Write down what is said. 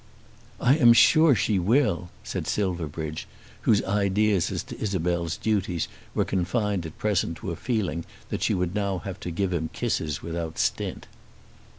"I am quite sure she will," said Silverbridge, whose ideas as to Isabel's duties were confined at present to a feeling that she would now have to give him kisses without stint.